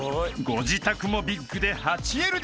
［ご自宅もビッグで８ＬＤＫ］